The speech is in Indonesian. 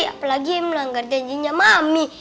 apalagi melanggar janjinya mami